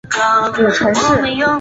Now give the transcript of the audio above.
母程氏。